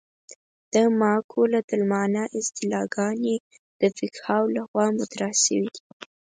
د معقولة المعنی اصطلاحګانې د فقهاوو له خوا مطرح شوې دي.